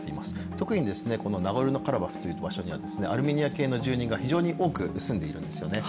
特にこのナゴルノ・カラバフという場所にはアルメニア系の住民が非常に多く住んでいるんですよね。